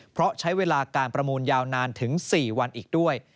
เพราะใช้เวลาการประมูลยาวนานถึง๔วันอีกด้วย